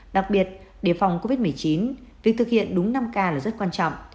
đặc biệt đề phòng covid một mươi chín việc thực hiện đúng năm k là rất quan trọng